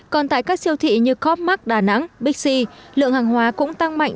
còn tại các siêu thị như copmark đà nẵng bixi lượng hàng hóa cũng tăng mạnh